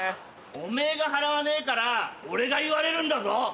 おめぇが払わねえから俺が言われるんだぞ。